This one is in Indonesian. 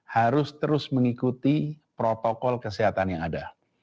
harus terus mengikuti protokol kesehatan yang ada